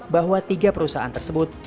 bahwa tiga perusahaan berlabel pt tersebut